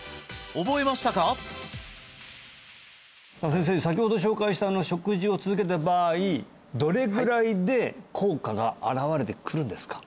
先生先ほど紹介した食事を続けた場合どれぐらいで効果があらわれてくるんですか？